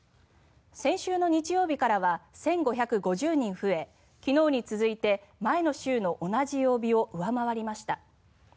先週の日曜日からは１５５０人増え昨日に続いて前の週の同じ曜日を上回りました。